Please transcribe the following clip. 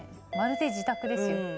まるで自宅ですよ。